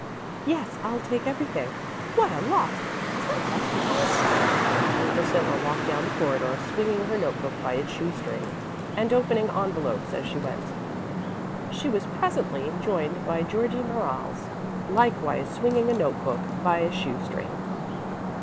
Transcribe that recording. "Yes; I'll take everything. What a lot! Is that all for us?" And Priscilla walked down the corridor swinging her note book by its shoe string, and opening envelops as she went. She was presently joined by Georgie Merriles, likewise swinging a note book by a shoe string.